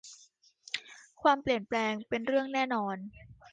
ความเปลี่ยนแปลงเป็นเรื่องแน่นอน